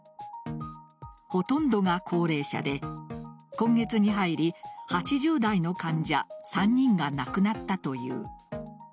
ほとんどが高齢者で今月に入り８０代の患者３人が亡くなったという。